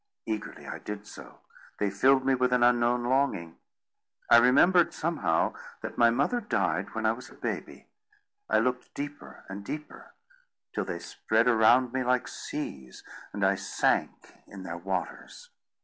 Eagerly I did so. They filled me with an unknown longing. I remembered somehow that my mother died when I was a baby. I looked deeper and deeper, till they spread around me like seas, and I sank in their waters.